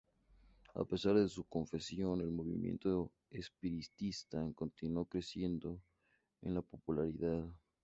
A pesar de su confesión, el movimiento espiritista continuó creciendo en popularidad.